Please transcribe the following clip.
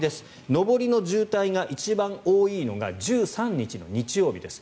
上りの渋滞が一番多いのが１３日の日曜日です。